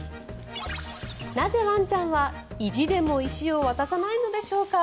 なぜ、ワンちゃんは意地でも石を渡さないのでしょうか。